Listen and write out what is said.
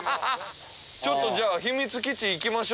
ちょっとじゃあ。